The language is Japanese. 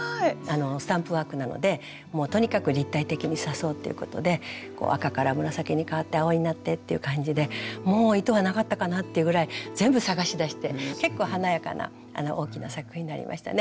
スタンプワークなのでもうとにかく立体的に刺そうっていうことで赤から紫に変わって青になってっていう感じでもう糸がなかったかなっていうぐらい全部探し出して結構華やかな大きな作品になりましたね。